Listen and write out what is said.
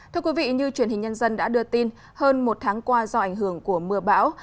thưa quý vị như truyền hình nhân dân đã đưa tin hơn một tháng qua do ảnh hưởng của mưa bão